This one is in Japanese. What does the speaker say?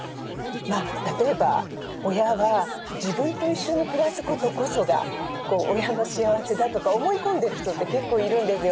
例えば親は自分と一緒に暮らすことこそが親の幸せだとか思い込んでる人って結構いるんですよ。